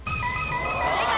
正解。